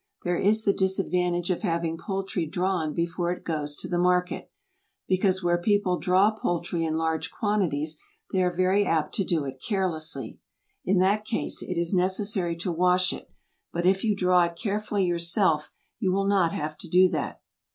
There is the disadvantage of having poultry drawn before it goes to the market, because where people draw poultry in large quantities they are very apt to do it carelessly. In that case it is necessary to wash it, but if you draw it carefully yourself you will not have to do that.